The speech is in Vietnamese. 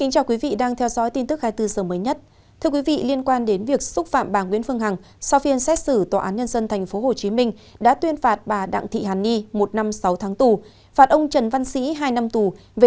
các bạn hãy đăng ký kênh để ủng hộ kênh của chúng mình nhé